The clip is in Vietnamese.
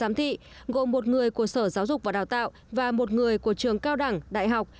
hai giám thị gồm một người của sở giáo dục và đào tạo và một người của trường cao đẳng đại học